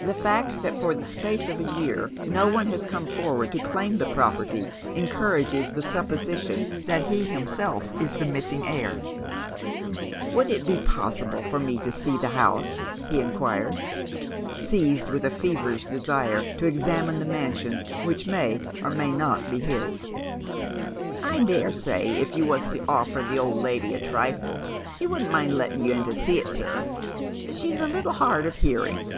The fact that for the space of a year no one has come forward to claim the property encourages the supposition that he himself is the missing heir. " Would it be possible for me to see the house ?" he inqukoa, 159 Dead MerCs Shoes. seized with a feverish desire to examine the mansion which may or may not be his. *' I dare say if you was to offer the old lady a trifle, she wouldn't mind letting you see it, sir. She's a little hard of hearing."